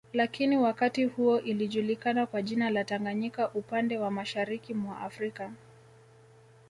Lakini wakati huo ilijulikana kwa jina la Tanganyika upande wa Mashariki mwa Afrika